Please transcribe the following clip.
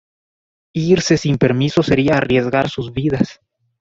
Irse sin permiso sería arriesgar sus vidas.